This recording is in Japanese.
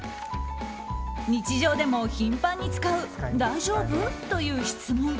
日常でも頻繁に使う大丈夫？という質問。